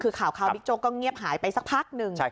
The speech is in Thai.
คือข่าวบิ๊กโจ๊กก็เงียบหายไปสักพักหนึ่ง